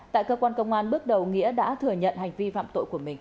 tại cơ quan công an bước đầu nghĩa đã thừa nhận hành vi phạm tội của mình